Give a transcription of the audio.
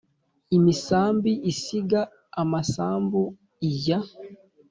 imisambi isiga amasambu ijya